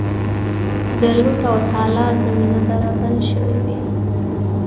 د لوټ او تالان زمینه برابره سوې وي.